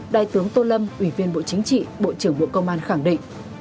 đại tướng tô lâm ủy viên bộ chính trị bộ trưởng bộ công an khẳng định